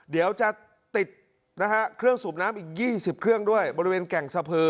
เดี๋ยวจะติดนะฮะเครื่องสูบน้ำอีก๒๐เครื่องด้วยบริเวณแก่งสะพือ